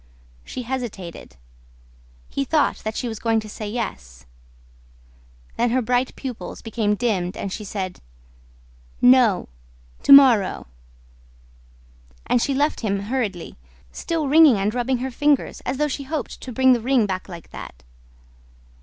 She hesitated. He thought that she was going to say yes... Then her bright pupils became dimmed and she said: "No! To morrow!" And she left him hurriedly, still wringing and rubbing her fingers, as though she hoped to bring the ring back like that.